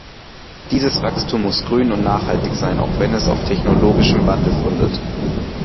Dieses Wachstum muss grün und nachhaltig sein, auch wenn es auf technologischem Wandel gründet.